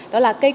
đó là cây cây